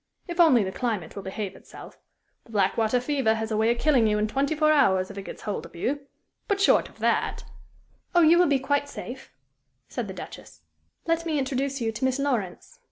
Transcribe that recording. "If only the climate will behave itself. The blackwater fever has a way of killing you in twenty four hours if it gets hold of you; but short of that " "Oh, you will be quite safe," said the Duchess. "Let me introduce you to Miss Lawrence.